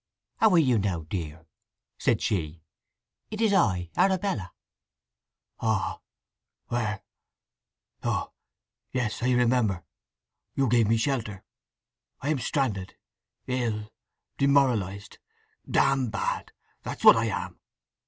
"How are you now, dear?" said she. "It is I—Arabella." "Ah!—where—oh yes, I remember! You gave me shelter… I am stranded—ill—demoralized—damn bad! That's what I am!"